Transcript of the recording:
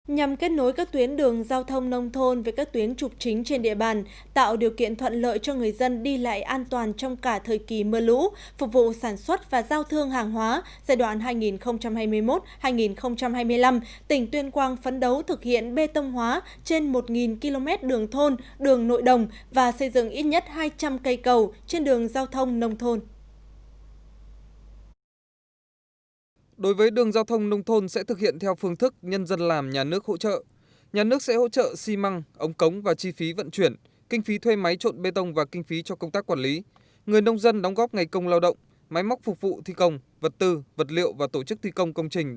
nhằm kết nối các tuyến đường giao thông nông thôn với các tuyến trục chính trên địa bàn tạo điều kiện thuận lợi cho người dân đi lại an toàn trong cả thời kỳ mưa lũ phục vụ sản xuất và giao thương hàng hóa giai đoạn hai nghìn hai mươi một hai nghìn hai mươi năm tỉnh tuyên quang phấn đấu thực hiện bê tông hóa trên một km đường thôn đường nội đồng và xây dựng ít nhất hai trăm linh cây cầu trên đường giao thông nông thôn